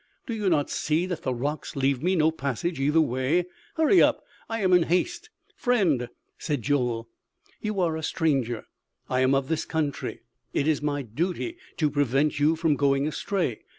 Do you not see that the rocks leave me no passage either way?... Hurry up; I am in haste " "Friend," said Joel, "you are a stranger; I am of this country; it is my duty to prevent you from going astray....